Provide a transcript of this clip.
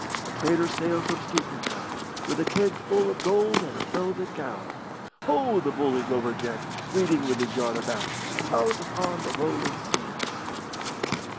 A trader sailed from Stepney Town With a keg full of gold and a velvet gown. Ho, the bully Rover Jack, Waiting with his yard aback Out upon the Lowland Sea.